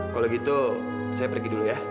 kalau gitu saya pergi dulu ya